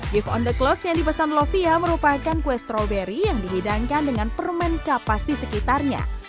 beef on the clouds yang dipesan lovia merupakan kue stroberi yang dihidangkan dengan permen kapas di sekitarnya